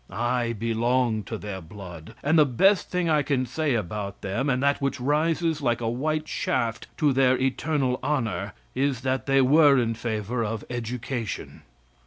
I belong to their blood, and the best thing I can say about them, and that which rises like a white shaft to their eternal honor, is that they were in favor of education.